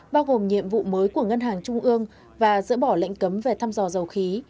bao gồm nhiệm vụ mới của ngân hàng trung ương và dỡ bỏ lệnh cấm về thăm dò dầu khí